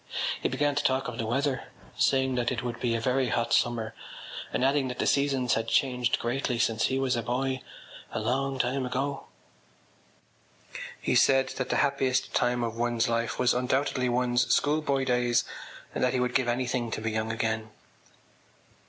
He began to talk of the weather, saying that it would be a very hot summer and adding that the seasons had changed greatly since he was a boy—a long time ago. He said that the happiest time of one’s life was undoubtedly one’s schoolboy days and that he would give anything to be young again.